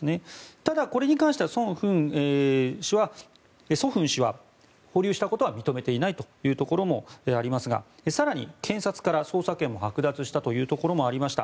ただこれに関してはソ・フン氏は保留したことは認めてないというところもありますが更に検察から捜査権もはく奪したということもありました。